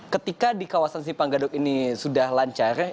ketika di kawasan simpang gadok ini sudah lancar